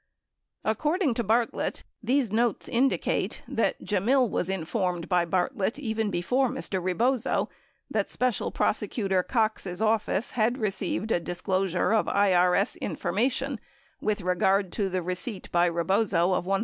According to Bartlett, these notes indicate that Gemmill was informed by Bartlett even before Mr. Rebozo that Special Prosecutor Cox's office had received a disclosure of IRS infor mation with regard to the receipt by Rebozo of $100,000.